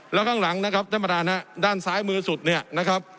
แล้วข้างหลังนะครับท่านประธานฮะด้านซ้ายมือสุดเนี่ยนะครับ